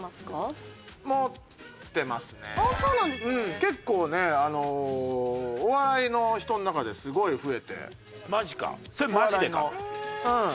結構ねお笑いの人の中ですごい増えて。